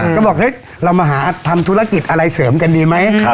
ก็บอกเฮ้ยเรามาหาทำธุรกิจอะไรเสริมกันดีไหม